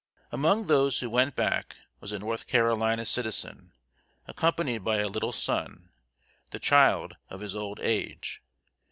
Among those who went back was a North Carolina citizen, accompanied by a little son, the child of his old age.